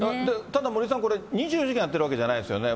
ただ森さん、これ、２４時間やってるわけじゃないですよね。